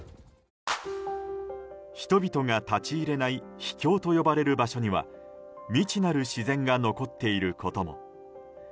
人々が立ち入れない秘境と呼ばれる場所には未知なる自然が残っていることも。